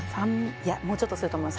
いやもうちょっとすると思います